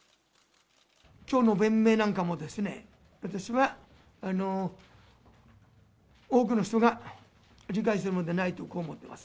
きょうの弁明なんかもですね、私は多くの人が理解するものではないと、こう思っています。